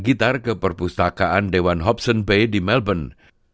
gitar ke perpustakaan dewan hobson bay di melbourne